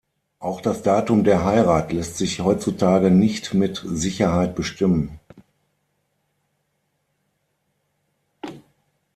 Auch das Datum der Heirat lässt sich heutzutage nicht mit Sicherheit bestimmen.